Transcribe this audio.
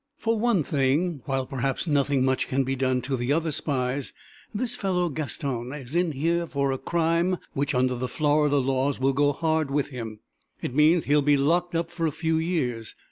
"For one thing, while perhaps nothing much can be done to the other spies, this fellow, Gaston, is in here for a crime which, under the Florida laws, will go hard with him. It means that he'll be locked up for a few years.